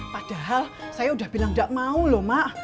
padahal saya udah bilang enggak mau loh mak